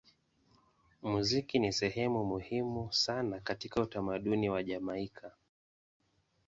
Muziki ni sehemu muhimu sana katika utamaduni wa Jamaika.